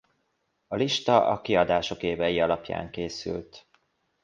A lista a kiadások évei alapján készült.